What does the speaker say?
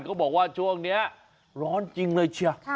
เขาบอกว่าช่วงนี้ร้อนจริงเลยเชีย